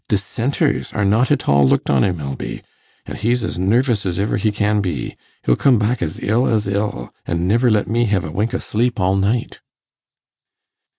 Dissenters are not at all looked on i' Milby, an' he's as nervous as iver he can be; he'll come back as ill as ill, an' niver let me hev a wink o' sleep all night.